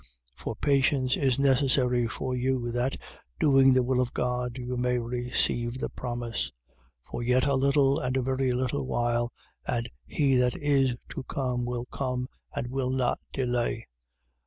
10:36. For patience is necessary for you: that, doing the will of God, you may receive the promise. 10:37. For yet a little and a very little while, and he that is to come will come and will not delay.